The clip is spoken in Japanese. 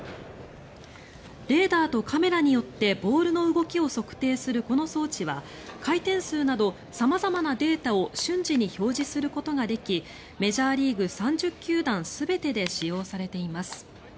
レーダーとカメラによってボールの動きを測定するこの装置は回転数など様々なデータを瞬時に表示することができメジャーリーグ３０球団全てで使用されています。